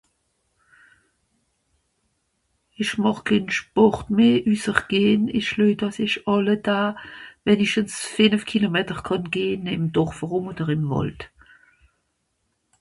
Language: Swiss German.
esch màch kenn sport meh üsser gehn esch leuj dàss esch àlle Daa wennischens fenef kilometer kànn gehn ìm Dorf erùm oder ìm Wàld